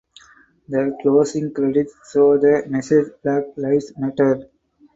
The closing credits show the message Black Lives Matter.